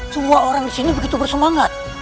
semua orang disini begitu bersemangat